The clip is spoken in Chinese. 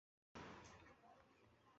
我们很脆弱